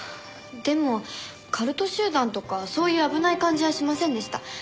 でもカルト集団とかそういう危ない感じはしませんでした。